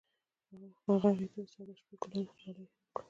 هغه هغې ته د صادق شپه ګلان ډالۍ هم کړل.